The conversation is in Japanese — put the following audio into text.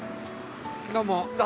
どうも。